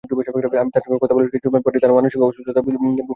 আমি তাঁর সঙ্গে কথা শুরু করার কিছুক্ষণ পরই তাঁর মানসিক অসুস্থতা বুঝতে পারি।